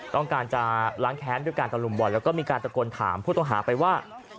ต้องการจะล้างแค้นด้วยการตะลุมบ่อแล้วก็มีการตะโกนถามผู้ต้องหาไปว่า